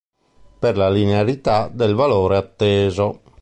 Per la linearità del valore atteso.